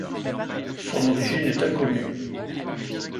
Son origine est inconnue.